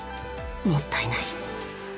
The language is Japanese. もったいない］